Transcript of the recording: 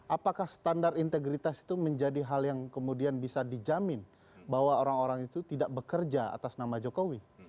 apakah standar integritas itu menjadi hal yang kemudian bisa dijamin bahwa orang orang itu tidak bekerja atas nama jokowi